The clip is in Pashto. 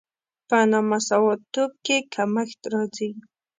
په نامساواتوب کې کمښت راځي.